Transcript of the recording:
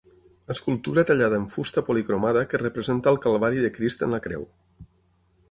Escultura tallada en fusta policromada que representa el calvari de Crist en la creu.